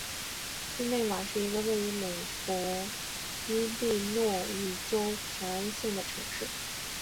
日内瓦是一个位于美国伊利诺伊州凯恩县的城市。